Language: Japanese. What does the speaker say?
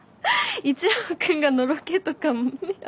一郎君がのろけとか無理だわ。